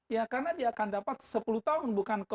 ya karena dia akan dapat sepuluh tahun